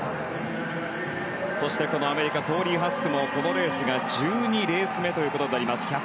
そしてアメリカ、トーリー・ハスクもこのレースが１２レース目となります。